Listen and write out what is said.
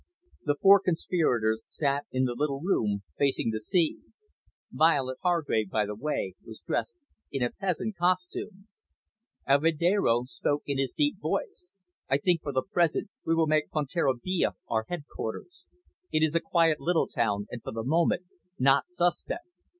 The four conspirators sat in the little room facing the sea. Violet Hargrave, by the way, was dressed in a peasant costume. Alvedero spoke in his deep voice. "I think, for the present, we will make Fonterrabia our headquarters. It is a quiet little town, and, for the moment, not suspect."